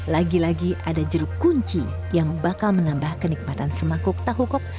lagi lagi ada jeruk kunci yang bakal menambah kenikmatan semangkuk tahu kok